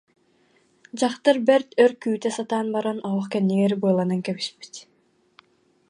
Дьахтар бэрт өр күүтэ сатаан баран, оһох кэннигэр быаланан кэбиспит